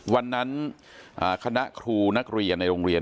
วันนั้นคณะครูนักเรียนในโรงเรียน